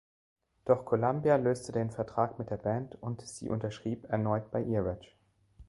Doch Columbia löste den Vertrag mit der Band und sie unterschrieb erneut bei Earache.